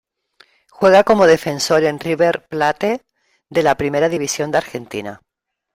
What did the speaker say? Juega como defensor en River Plate de la Primera División de Argentina.